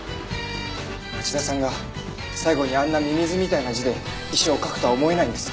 町田さんが最後にあんなミミズみたいな字で遺書を書くとは思えないんです。